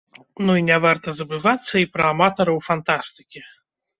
Ну і не варта забывацца і пра аматараў фантастыкі.